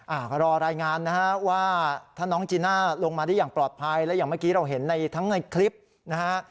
อ่าก็รอรายงานนะฮะว่าถ้าน้องจีน่าลงมาได้อย่างปลอดภัยและอย่างเมื่อกี้เราเห็นในทั้งในคลิปนะฮะ